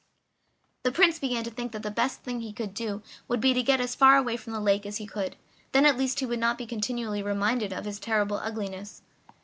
The Prince began to think that the best thing he could do would be to get as far away from the lake as he could, then at least he would not be continually reminded of his terrible ugliness.